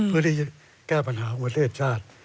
เพื่อที่จะแก้ปัญหาของประเทศชาติ